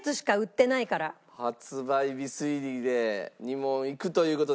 発売日推理で２問いくという事ですね？